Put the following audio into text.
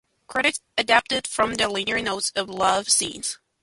Credits adapted from the liner notes of "Love Scenes".